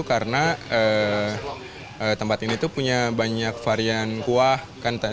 karena tempat ini itu punya banyak varian kuah kan ada kari seumur herba biru ada elaine ndiangal